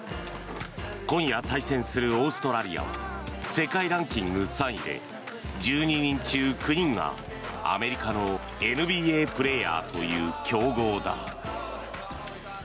今夜対戦するオーストラリアは世界ランキング３位で１２人中９人がアメリカのＮＢＡプレーヤーという強豪だ。